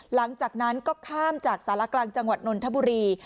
หลังจากนั้นก็ข้ามจากสารกลางจังหวัดนนทบุรี